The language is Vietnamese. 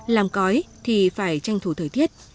làm cói thì phải tranh thủ thời tiết